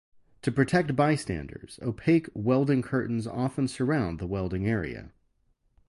To protect bystanders, opaque welding curtains often surround the welding area.